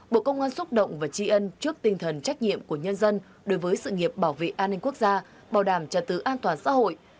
bộ công an xúc động và tri ân trước tinh thần trách nhiệm của nhân dân đối với sự nghiệp bảo vệ an ninh quốc gia bảo đảm trật tự an toàn xã hội